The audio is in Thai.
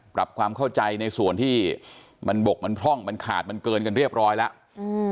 ปรับความเข้าใจในส่วนที่มันบกมันพร่องมันขาดมันเกินกันเรียบร้อยแล้วอืม